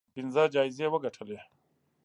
پنځه جایزې وګټلې